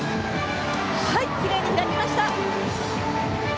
きれいに開きました。